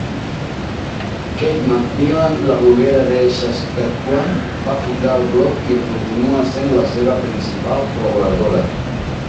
Kate McMillan, la bloguera de Saskatchewan, va fundar el blog i en continua sent la seva principal col·laboradora.